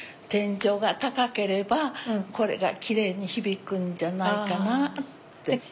天井が高ければこれがきれいに響くんじゃないかなあって。